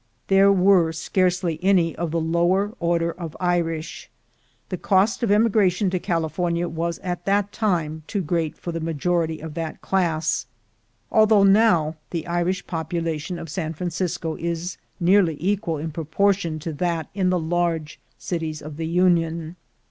There were scarcely any of the lower order of Irish; the cost of emigration to California was at that time too great for the majority of that class, although now the Irish population of San Francisco is nearly equal in proportion to that in the large cities of the Union.